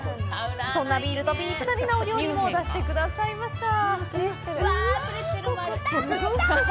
そんなビールとぴったりなお料理も出してくださいました。